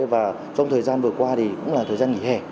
và trong thời gian vừa qua thì cũng là thời gian nghỉ hè